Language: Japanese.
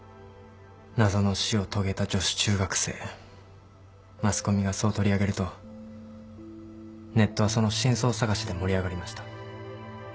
「謎の死を遂げた女子中学生」マスコミがそう取り上げるとネットはその真相探しで盛り上がりました。